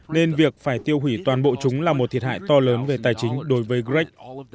nên việc phải tiêu hủy toàn bộ chúng là một thiệt hại to lớn về tài chính đối với greg